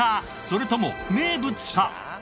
それとも名物か？